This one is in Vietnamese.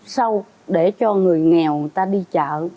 sau để cho người nghèo người ta đi chợ